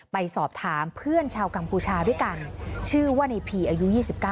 ไปสอบถามเพื่อนชาวกัมพูชาด้วยกันชื่อว่าในพีอายุ๒๙